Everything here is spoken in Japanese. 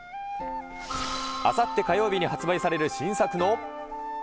あさって火曜日に発売される新作の。